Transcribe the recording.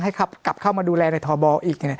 ให้กลับเข้ามาดูแลในทอบอลอีก